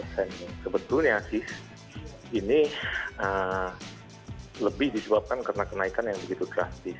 sebetulnya sih ini lebih disebabkan karena kenaikan yang begitu drastis